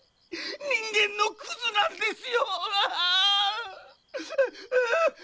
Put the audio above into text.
人間のクズなんですよー！